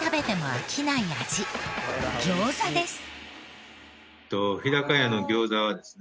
餃子です。